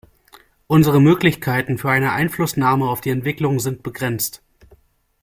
Unsere Möglichkeiten für eine Einflussnahme auf die Entwicklung sind begrenzt.